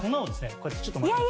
こうやってちょっとまきます。